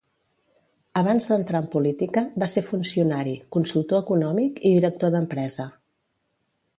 Abans d'entrar en política, va ser funcionari, consultor econòmic i director d'empresa.